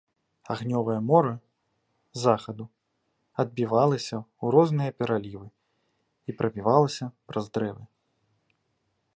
Агнёвае мора захаду адбівалася ў розныя пералівы і прабівалася праз дрэвы.